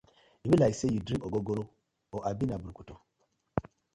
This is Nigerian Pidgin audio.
E bi like say yu dring ogogoro or abi na brukutu.